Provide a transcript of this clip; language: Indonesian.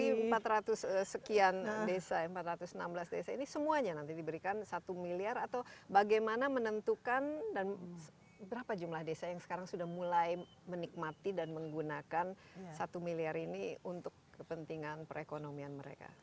dari empat ratus sekian desa empat ratus enam belas desa ini semuanya nanti diberikan satu miliar atau bagaimana menentukan dan berapa jumlah desa yang sekarang sudah mulai menikmati dan menggunakan satu miliar ini untuk kepentingan perekonomian mereka